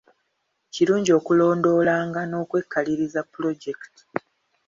Kirungi okulondoolanga n'okwekaliriza pulojekiti.